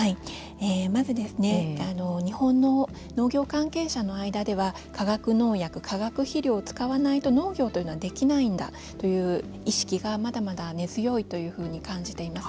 まず、日本の農業関係者の間では化学農薬、化学肥料を使わないと農業というのができないんだという意識がまだまだ根強いというふうに感じています。